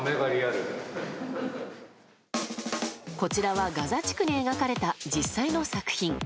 こちらはガザ地区に描かれた実際の作品。